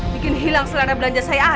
bikin hilang selana belanja saya